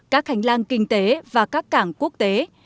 các hành lang kinh tế và các cảng quốc tế